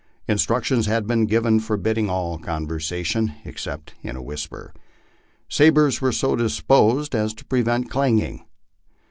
Instructions had been given forbidding all conversa tion except in a whisper. Sabres were so disposed of as to prevent clanging.